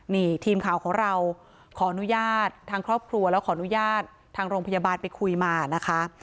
นี่ทีมข่าวของเราขออนุญาตทางครอบครัวแล้วขออนุญาตทางโรงพยาบาลไปคุยมานะคะ